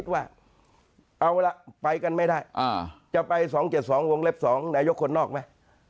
มันจะไป๒๗๒วงเล็บ๒นายกคนนอกไหม